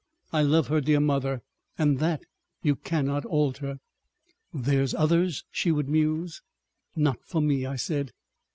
I love her, dear mother, and that you cannot alter." "There's others," she would muse. "Not for me," I said.